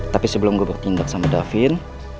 tapi sebelum gue bertindak sama david